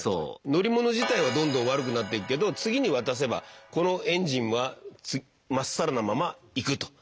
乗り物自体はどんどん悪くなっていくけど次に渡せばこのエンジンはまっさらなまま行くと。